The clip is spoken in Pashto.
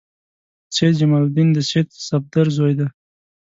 سید جمال الدین د سید صفدر زوی دی.